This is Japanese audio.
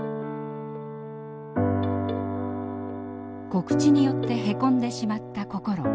告知によってへこんでしまった心。